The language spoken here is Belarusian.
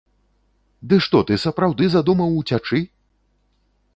Ды што ты сапраўды задумаў уцячы?!